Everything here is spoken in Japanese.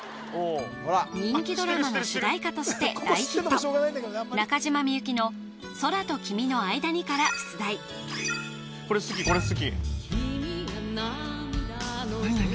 人気ドラマの主題歌として大ヒット中島みゆきの「空と君のあいだに」から出題何何何？